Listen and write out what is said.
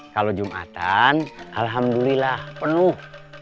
kalau jumatan alhamdulillah penuh